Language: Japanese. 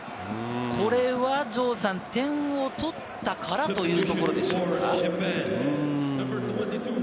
これは城さん、点を取ったからというところでしょうか？